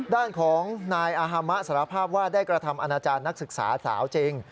ด้านของนายอาฮามะสารภาพว่าได้กระทำอนาจารย์นักศึกษาสาวจริง